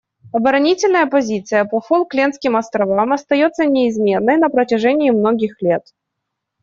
Оборонительная позиция по Фолклендским островам остается неизменной на протяжении многих лет.